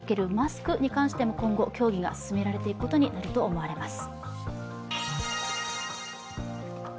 学校生活におけるマスクに関しても今後、協議が進められていくことになると思われます。